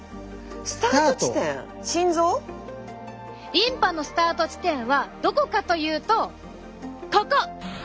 リンパのスタート地点はどこかというとここ！